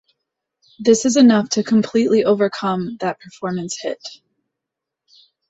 This is enough to completely overcome that performance hit.